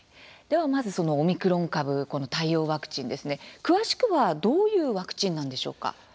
まずオミクロン株対応ワクチンですね詳しくはどういうワクチンなのでしょうか？